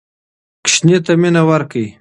ماشوم ته مينه ورکړه